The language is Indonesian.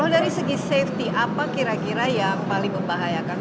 kalau dari segi safety apa kira kira yang paling membahayakan